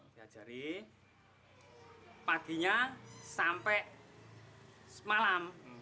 diajari paginya sampai malam